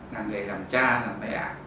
là người làm cha làm mẹ